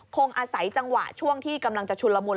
คงอาศัยจังหวะช่วงที่กำลังจะชุนละมุน